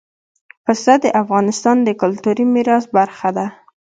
پسه د افغانستان د کلتوري میراث برخه ده.